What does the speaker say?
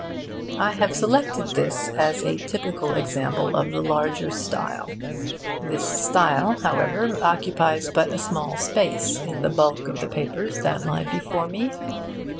I have selected this as a typical example of the larger style. This style, however, occupies but a small space in the bulk of the papers that lie before me.